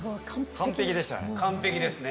完璧でしたね。